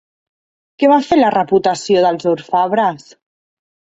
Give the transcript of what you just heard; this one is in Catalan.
Què va fer la reputació dels orfebres?